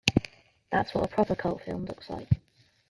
That's what a proper cult film looks like.